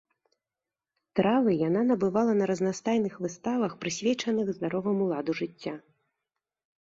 Травы яна набывала на разнастайных выставах, прысвечаных здароваму ладу жыцця.